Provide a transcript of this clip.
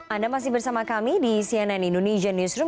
anda masih bersama kami di cnn indonesia newsroom